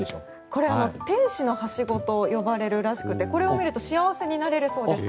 これ天使のはしごと呼ばれるらしくてこれを見ると幸せになれるそうです。